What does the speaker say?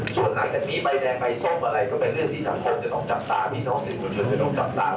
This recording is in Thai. ส่วนหลังกันมีใบแดงใบส้มอะไรก็เป็นเรื่องที่สังคมจะต้องจับตา